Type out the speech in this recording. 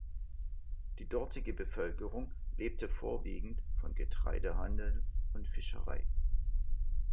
Die dortige Bevölkerung lebte vorwiegend von Getreidehandel und Fischerei.